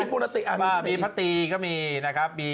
รูปพระตีอยู่เหมือนที่นี่